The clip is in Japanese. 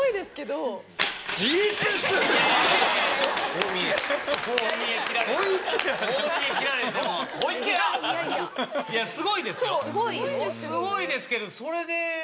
すごいですけど。